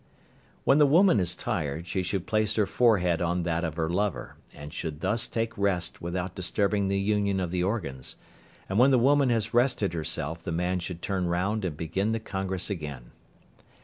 When the woman is tired, she should place her forehead on that of her lover, and should thus take rest without disturbing the union of the organs, and when the woman has rested herself the man should turn round and begin the congress again.